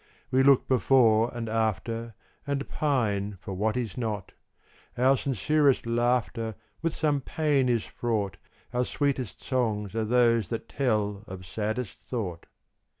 We look before and after, And pine for what is not: Our sincerest laughter With some pain is fraught; Our sweetest songs are those that tell of saddest thought.